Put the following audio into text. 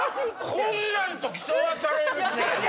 こんなんと競わされるって。